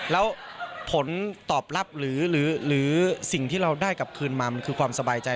แล้วผลตอบรับหรือสิ่งที่เราได้กลับคืนมามันคือความสบายใจ